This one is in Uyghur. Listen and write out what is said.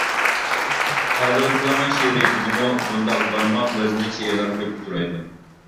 ھازىرقى زامان شېئىرىيىتىدىمۇ بۇنداق بارماق ۋەزىنلىك شېئىرلار كۆپ ئۇچرايدۇ.